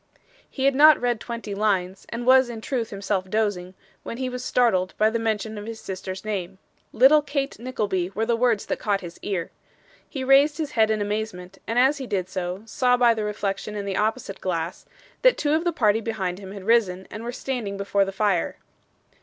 He had not read twenty lines, and was in truth himself dozing, when he was startled by the mention of his sister's name. 'Little Kate Nickleby' were the words that caught his ear. He raised his head in amazement, and as he did so, saw by the reflection in the opposite glass, that two of the party behind him had risen and were standing before the fire.